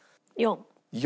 ４。